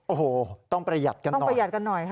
โอ้โหต้องประหยัดกันหน่อย